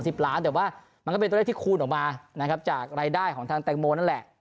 ล้านแต่ว่ามันก็เป็นตัวเลขที่คูณออกมานะครับจากรายได้ของทางแตงโมนั่นแหละ